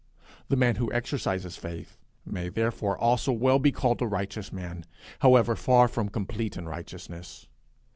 The man who exercises it may therefore also well be called a righteous man, however far from complete in righteousness.